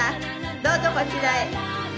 どうぞこちらへ。